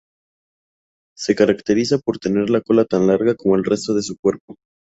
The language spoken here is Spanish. Se caracteriza por tener la cola tan larga como el resto de su cuerpo.